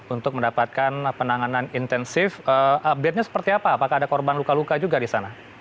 untuk mendapatkan penanganan intensif update nya seperti apa apakah ada korban luka luka juga di sana